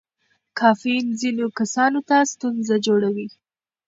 کافین ځینو کسانو ته ستونزه جوړوي.